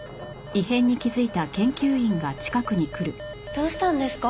どうしたんですか？